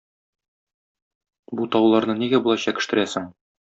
Бу тауларны нигә болай чәкештерәсең?